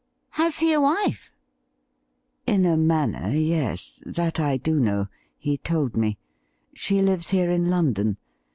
' Has he a wife i"' ' In a manner, yes ; that I do know — ^he told me. She lives here in London.